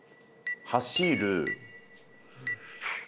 走る。